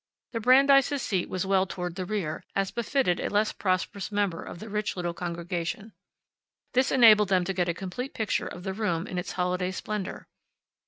The Brandeis' seat was well toward the rear, as befitted a less prosperous member of the rich little congregation. This enabled them to get a complete picture of the room in its holiday splendor.